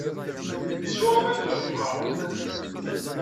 Yeswa aman n lebḥeṛ.